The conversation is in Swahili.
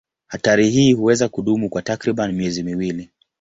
Hatari hii huweza kudumu kwa takriban miezi miwili.